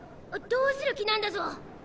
どうする気なんだゾ？